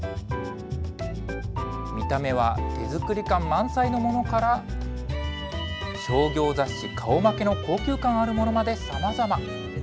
見た目は手作り感満載のものから、商業雑誌顔負けの高級感あるものまでさまざま。